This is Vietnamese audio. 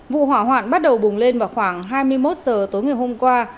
vụ hỏa hoạn bắt đầu bùng lên vào khoảng hai mươi một h tối ngày hôm qua